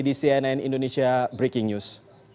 di cnn indonesia breaking news